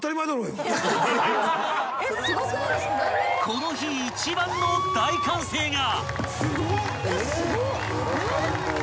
［この日一番の大歓声が］